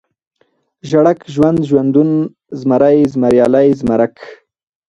ژړک ، ژوند ، ژوندون ، زمری ، زمريالی ، زمرک